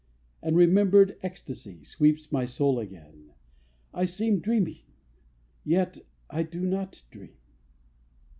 And remembered ecstacy Sweeps my soul again ... I seem Dreaming, yet I do not dream.